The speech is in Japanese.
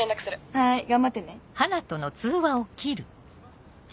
はい頑張ってね。